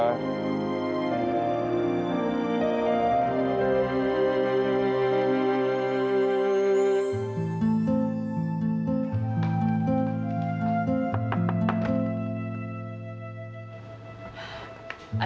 ada apa mia